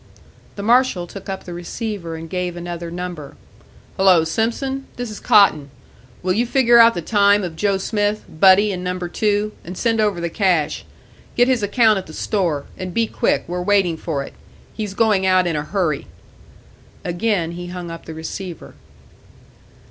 The marshal took up the receiver and gave another number. "Hello, Simpson. This is Cotton. Will you figure out the time of Joe Smith, buddy in Number Two, and send over the cash. Get his account at the store; and be quick, we're waiting for it. He's going out in a hurry." Again he hung up the receiver.